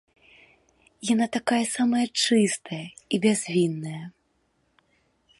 Яна такая самая чыстая і бязвінная.